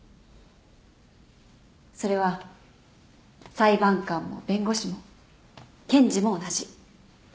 それは裁判官も弁護士も検事も同じ。